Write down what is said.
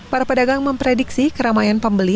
para pedagang memprediksi keramaian pembeli